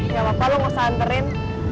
gak apa apa lo gak usah hantarin